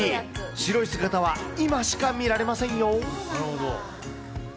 白い姿は今しか見られませんよ。